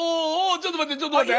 ちょっと待ってちょっと待って。